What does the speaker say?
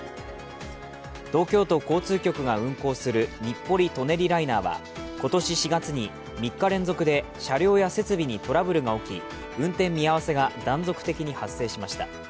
東京都交通局が運行する日暮里・舎人ライナーは今年４月に３日連続で車両や設備にトラブルが起き運転見合せが断続的に発生しました。